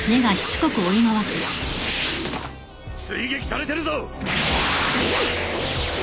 追撃されてるぞ！